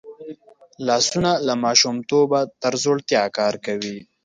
لاسونه له ماشومتوبه تر زوړتیا کار کوي